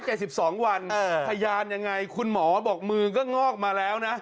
สิบสองวันเออพยานยังไงคุณหมอบอกมือก็งอกมาแล้วนะ